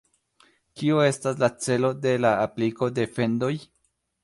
Kio estas la celo de la apliko de fendoj?